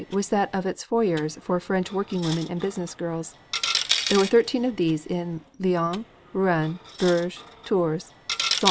was that of its foyers for French working women and business girls. There were thirteen of these in Lyons, Rouen, Bourges, Tours, Ste.